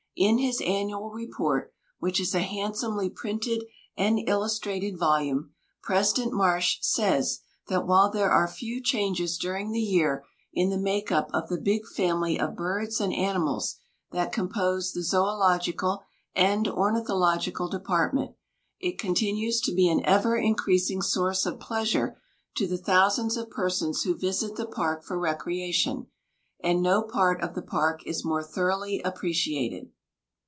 In his annual report, which is a handsomely printed and illustrated volume, President Marsh says that while there are few changes during the year in the make up of the big family of birds and animals that compose the zoölogical and ornithological department, it continues to be an ever increasing source of pleasure to the thousands of persons who visit the park for recreation, and no part of the park is more thoroughly appreciated.